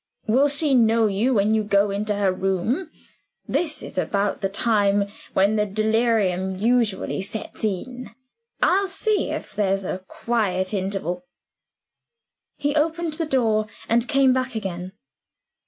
Will she know you, when you go into her room? This is about the time when the delirium usually sets in. I'll see if there's a quiet interval." He opened the door and came back again.